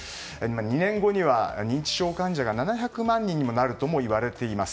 ２年後には認知症患者が７００万人にもなるといわれています。